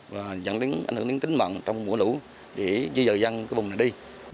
và dẫn đến ảnh hưởng đến tính mạng trong mùa lũ để di dời dân cái vùng này đi